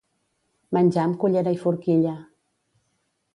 Menjar amb cullera i forquilla.